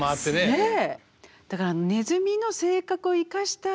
ねえ。